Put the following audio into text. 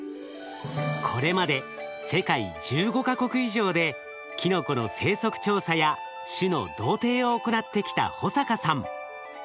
これまで世界１５か国以上でキノコの生息調査や種の同定を行ってきた保坂さん。